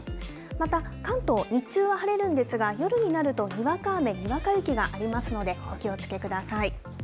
また関東、日中は晴れるんですが、夜になるとにわか雨、にわか雪がありますので、お気をつけください。